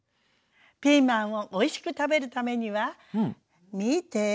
ピーマンをおいしく食べるためには見て。